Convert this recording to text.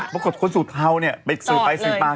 เราถูกขีบมอเตอร์ไซส์ทั้งคู่